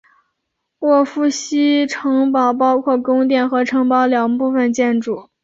沃夫西城堡包括宫殿和城堡两部分建筑。